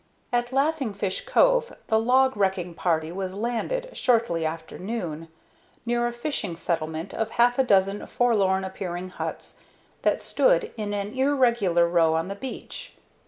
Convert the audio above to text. At Laughing Fish Cove the log wrecking party was landed, shortly after noon, near a fishing settlement of half a dozen forlorn appearing huts that stood in an irregular row on the beach.